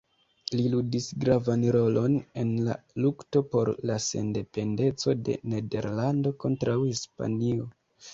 Li ludis gravan rolon en la lukto por la sendependeco de Nederlando kontraŭ Hispanio.